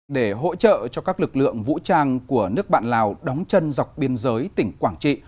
để hỗ trợ cho các lực lượng vũ trang của nước bạn lào đóng chân dọc biên giới tỉnh quảng trị